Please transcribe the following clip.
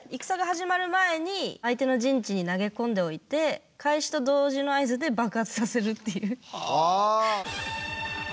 戦が始まる前に相手の陣地に投げ込んでおいて開始と同時の合図で爆発させるっていう。